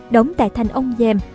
đóng tại thành ông giềm